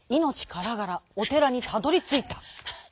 からがらおてらにたどりついた。